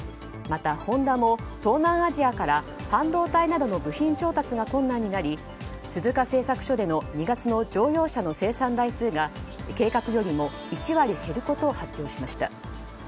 またホンダも東南アジアから半導体などの部品調達が困難になり鈴鹿製作所での２月の乗用車の生産台数が計画よりも１割減ることを発表しました。